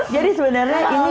jadi sebenarnya ini